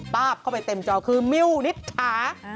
ป้าบเข้าไปเต็มจอคือมิวนิษฐา